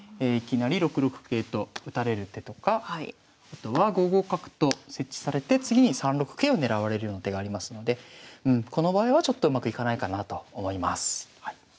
いきなり６六桂と打たれる手とかあとは５五角と設置されて次に３六桂を狙われるような手がありますのでこの場合はちょっとうまくいかないかなと思います。